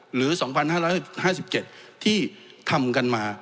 หรือ๒๕๕๗ที่ทำกันมา